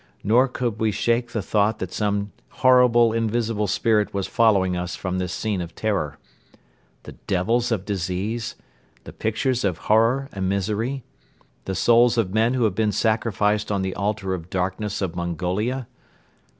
Nor could we shake the thought that some horrible invisible spirit was following us from this scene of terror. "The devils of disease?" "The pictures of horror and misery?" "The souls of men who have been sacrificed on the altar of darkness of Mongolia?"